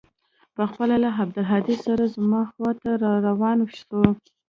پخپله له عبدالهادي سره زما خوا ته راروان سو.